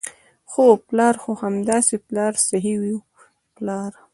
هو، پلار، هو همداسې پلار صحیح وو، پلار.